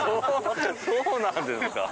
そうなんですか